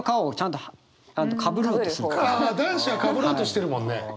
ああ男子はかぶろうとしてるもんね。